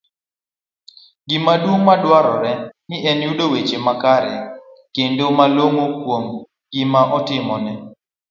Gima duong ' madwarore en yudo weche makare kendo malong'o kuom gima itimone